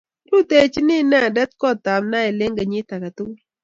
rutechini inendet kongtab Nile eng' kenyit age tugul.